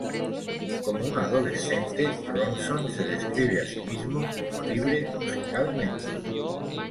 Como un adolescente, Ronson se describe a sí mismo como "libre musicalmente".